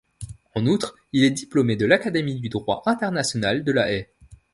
En outre, il est diplômé de l'Académie de droit international de La Haye.